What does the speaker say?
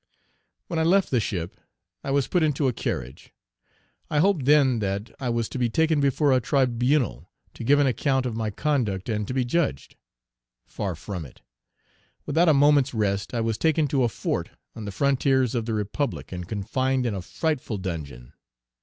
When I left the ship, I was put into a carriage. I hoped then that I was to be taken before a tribunal to give an account of Page 326 my conduct, and to be judged. Far from it; without a moment's rest I was taken to a fort on the frontiers of the Republic, and confined in a frightful dungeon.